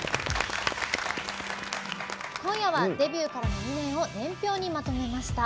今夜はデビューからの２年を年表にまとめました。